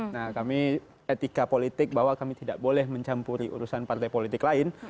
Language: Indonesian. nah kami etika politik bahwa kami tidak boleh mencampuri urusan partai politik lain